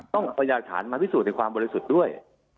ต้องเอายาฐานมาพิสูจน์ในความบริสุทธิ์ด้วย